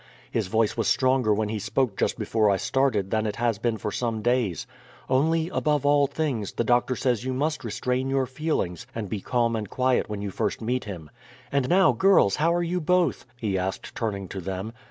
His voice was stronger when he spoke just before I started than it has been for some days. Only, above all things, the doctor says you must restrain your feelings and be calm and quiet when you first meet him. And now, girls, how are you both?" he asked turning to them.